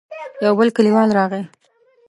يو بل کليوال راغی.